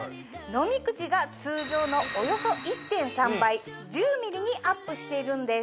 飲み口が通常のおよそ１．３倍１０ｍｍにアップしているんです。